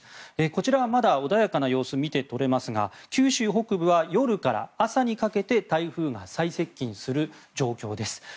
こちらはまだ穏やかな様子見て取れますが九州北部は夜から朝にかけて台風が最接近する状況です。